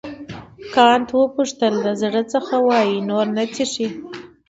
کانت وپوښتل د زړه څخه وایې نور نه څښې.